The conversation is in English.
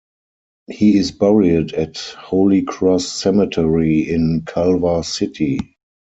He is buried at Holy Cross Cemetery in Culver City.